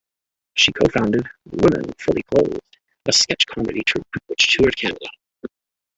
She co-founded "Women Fully Clothed", a sketch comedy troupe which toured Canada.